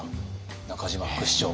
中島副市長。